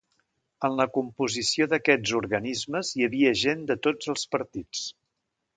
En la composició d’aquests organismes hi havia gent de tots els partits.